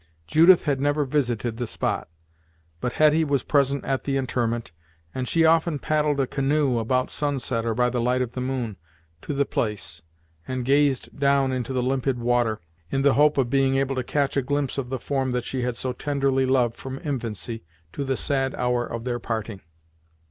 Judith had never visited the spot, but Hetty was present at the interment, and she often paddled a canoe, about sunset or by the light of the moon, to the place, and gazed down into the limpid water, in the hope of being able to catch a glimpse of the form that she had so tenderly loved from infancy to the sad hour of their parting.